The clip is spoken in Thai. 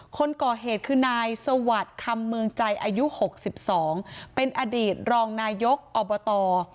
คนก่อเหตุคือนายสวัสดิ์คำเมืองใจอายุ๖๒เป็นอดีตรองนายกอบต